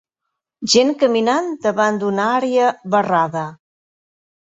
Gent caminant davant d'una àrea barrada.